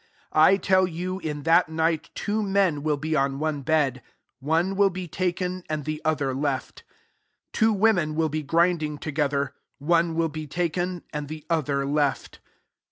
34 I tell you, in that night two men will be on one bed ; one will be ta Iten, and the other left 35 Tt^ women will be grinding toge ther ; one will be taken, and the other left.''